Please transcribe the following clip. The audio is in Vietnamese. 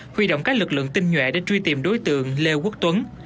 huy động các lực lượng tinh nhuệ để truy tìm đối tượng lê quốc tuấn